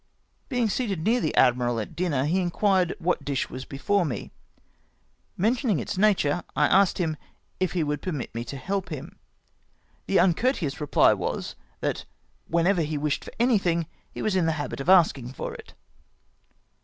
Being seated near the admhal at dinner, he inquired what dish was before me. Mentioning its nature, I asked if he would permit me to help him. The un courteous reply was — that whenever he wished for any thing; he was in the habit of askino for it.